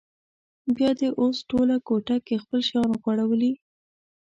بیا دې اوس ټوله کوټه کې خپل شیان غوړولي.